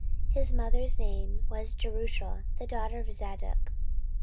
His mother's name also was Jerushah, the daughter of Zadok.